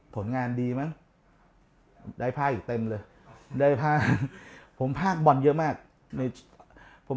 ผลงานดีไหมได้ภาคอีกเต็มเลยได้ภาคผมภาคบอลเยอะมากผม